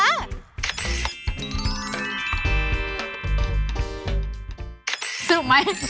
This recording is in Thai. สุดหรือไม่